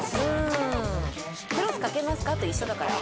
「クロスかけますか？」と一緒だから。